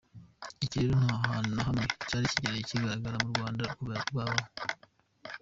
Iki rero nta hantu na hamwe cyari cyarigeze kigaragara mu Rwanda kuva rwabaho!